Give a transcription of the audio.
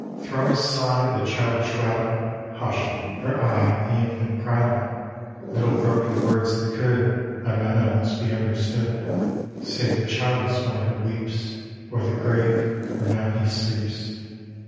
Thrown aside the childish rattle ; Hushed for aye the infant prattle ŌĆö Little broken words that could By none else be understood, Save the childless one who weeps O'er the grave where now he sleeps.